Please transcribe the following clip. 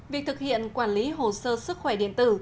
việc thực hiện quản lý hồ sơ sức khỏe điện tử